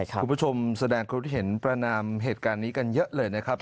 คุณผู้ชมแสดงความคิดเห็นประนามเหตุการณ์นี้กันเยอะเลยนะครับ